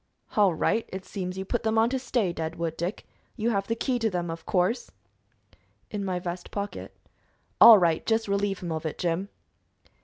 "All right. It seems you put them on to stay, Deadwood Dick. You have the key to them, of course." "In my vest pocket." "All right. Just relieve him of it, Jim."